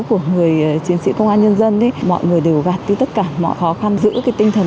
của người chiến sĩ công an nhân dân mọi người đều gạt đi tất cả mọi khó khăn giữ cái tinh thần